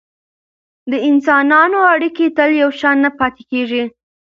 د انسانانو اړیکې تل یو شان نه پاتې کیږي.